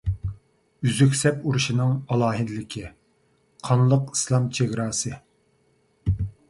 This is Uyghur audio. ئۈزۈك سەپ ئۇرۇشىنىڭ ئالاھىدىلىكى، قانلىق ئىسلام چېگراسى